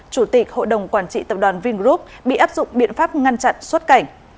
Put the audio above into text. chủ tịch hội đồng quản trị tập đoàn vingroup bị áp dụng biện pháp ngăn chặn xuất cảnh